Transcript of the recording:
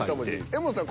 柄本さん